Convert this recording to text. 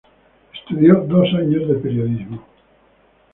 Estudió dos años de periodismo.